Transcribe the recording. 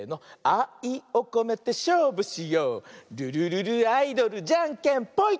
「あいをこめてしょうぶしよう」「ルルルルアイドルじゃんけんぽい！」